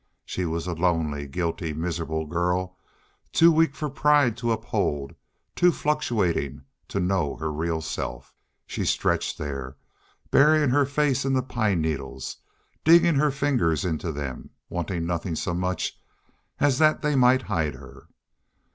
She was a lonely, guilty, miserable girl, too weak for pride to uphold, too fluctuating to know her real self. She stretched there, burying her face in the pine needles, digging her fingers into them, wanting nothing so much as that they might hide her.